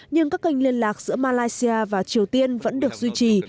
nhưng các kênh liên lạc giữa malaysia và triều tiên vẫn được duy trì